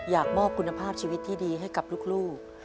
อยากมอบคุณภาพชีวิตที่ดีให้กับลูก